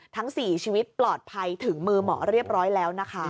ทั้ง๔ชีวิตปลอดภัยถึงมือหมอเรียบร้อยแล้วนะคะ